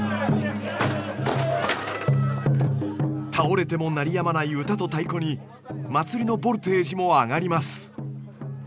倒れても鳴りやまない唄と太鼓に祭りのボルテージも上がります。